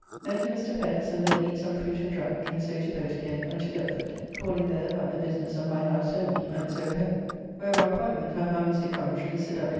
Then to Mr. Pett's, and there eat some fruit and drank, and so to boat again, and to Deptford, calling there about the business of my house only, and so home, where by appointment I found Mr. Coventry, Sir W.